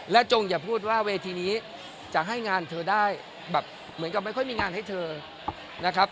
จงอย่าพูดว่าเวทีนี้จะให้งานเธอได้แบบเหมือนกับไม่ค่อยมีงานให้เธอนะครับ